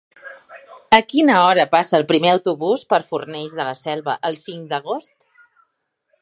A quina hora passa el primer autobús per Fornells de la Selva el cinc d'agost?